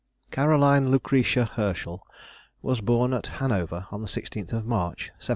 CAROLINE LUCRETIA HERSCHEL was born at Hanover on the 16th of March, 1750.